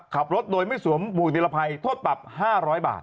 ขับรถโดยไม่สวมบู่นิรภัยโทษปรับ๕๐๐บาท